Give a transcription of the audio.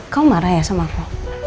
kau marah ya sama aku